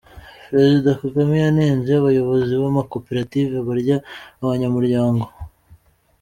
Perezida Kagame yanenze abayobozi b’amakoperative barya abanyamuryango.